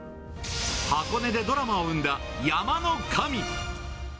箱根でドラマを生んだ山の神。